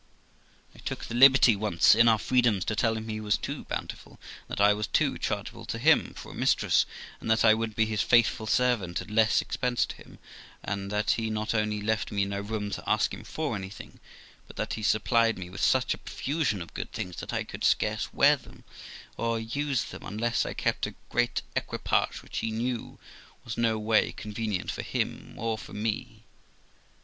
I took the liberty once, in our freedoms, to tell him he was too boun tiful, and that I was too chargeable to him for a mistress, and that I would be his faithful servant at less expense to him ; and that he not only left me no room to ask him for anything, but that he supplied me with such a profusion of good things that I could scarce wear them, or use them, unless I kept a great equipage, which, he knew, was no way con venient for him or for me.